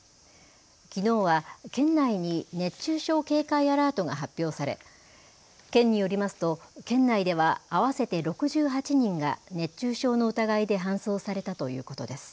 きのうは県内に熱中症警戒アラートが発表され県によりますと県内では合わせて６８人が熱中症の疑いで搬送されたということです。